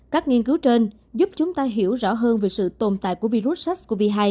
các nghiên cứu trên giúp chúng ta hiểu rõ hơn về sự tồn tại của virus sars cov hai